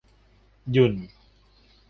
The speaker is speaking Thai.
หยุ่น